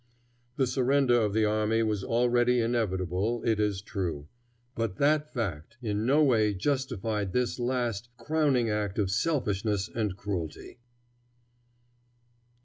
The surrender of the army was already inevitable, it is true, but that fact in no way justified this last, crowning act of selfishness and cruelty.